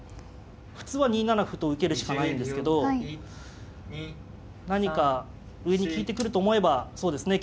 普通は２七歩と受けるしかないんですけど何か上に利いてくると思えばそうですね